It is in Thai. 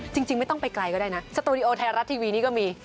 จริงไม่ต้องไปไกลก็ได้นะสตูดิโอไทยรัฐทีวีนี่ก็มี